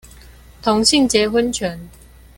同性結婚權